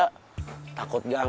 takut gak ada yang belanja